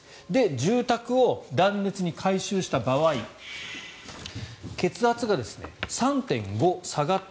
住宅を断熱に改修した場合血圧が３．５下がった。